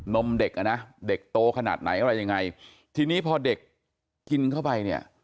มเด็กอ่ะนะเด็กโตขนาดไหนอะไรยังไงทีนี้พอเด็กกินเข้าไปเนี่ย